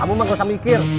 kamu mah nggak usah mikir